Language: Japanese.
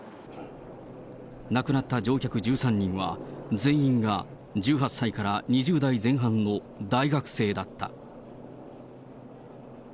亡くなった乗客１３人は、全員が１８歳から２０代前半の大学生だった。